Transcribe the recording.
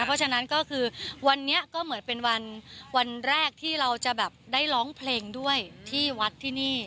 เพราะฉะนั้นก็คือวันนี้ก็เหมือนเป็นวันแรกที่เราจะแบบได้ร้องเพลงด้วยที่วัดที่นี่